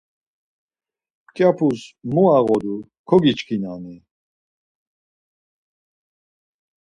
Mǩyapus mu ağodu kogiçkinani?